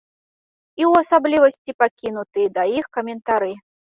І ў асаблівасці пакінутыя да іх каментары.